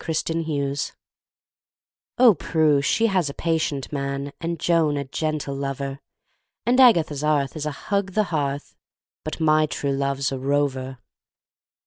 She is Overheard Singing OH, PRUE she has a patient man, And Joan a gentle lover, And Agatha's Arth' is a hug the hearth, But my true love's a rover!